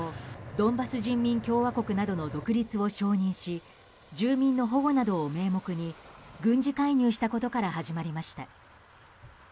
ドンバス人民共和国などの独立を承認し住民の保護などを名目に軍事介入したことから始まりました。